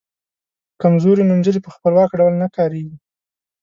کمزوري نومځري په خپلواکه ډول نه کاریږي.